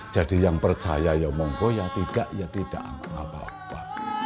jadi yang percaya ya monggo ya tidak ya tidak apa apa